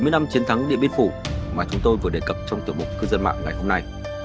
bảy mươi năm chiến thắng địa biến phủ mà chúng tôi vừa đề cập trong tiểu bục cư dân mạng ngày hôm nay